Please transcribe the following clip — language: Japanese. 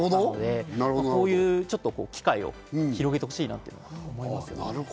こういう機会を広げてほしいなと思います。